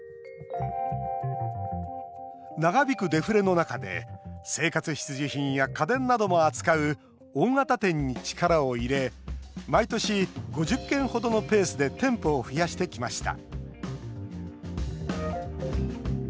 長引くデフレの中で生活必需品や家電なども扱う大型店に力を入れ毎年、５０軒程のペースで店舗を増やしてきました